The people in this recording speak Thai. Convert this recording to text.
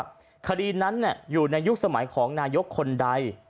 ว่าคดีนั้นเนี่ยอยู่ในยุคสมัยของนายกคนใด